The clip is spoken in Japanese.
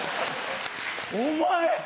お前！